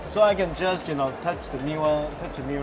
jadi aku bisa nyentuh panggilan pintar